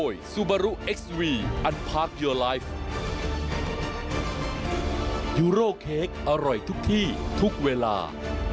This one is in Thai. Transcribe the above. ยูโรเค้กอร่อยทุกที่ทุกเวลา